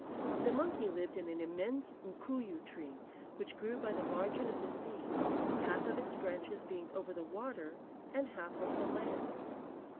The monkey lived in an immense mkooyoo tree which grew by the margin of the sea half of its branches being over the water and half over the land.